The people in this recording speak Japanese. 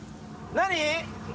何？